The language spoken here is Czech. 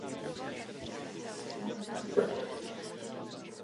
Nesmíme stát v cestě pokroku.